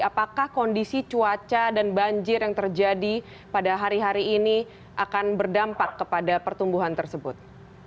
apakah kondisi cuaca dan banjir yang terjadi pada hari hari ini akan berdampak kepada pertumbuhan tersebut